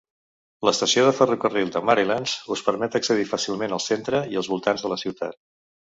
L'estació de ferrocarril de Maylands us permet accedir fàcilment al centre i als voltants de la ciutat.